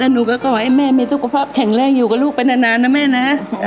หนูก็ขอให้แม่มีสุขภาพแข็งแรงอยู่กับลูกไปนานนะแม่นะ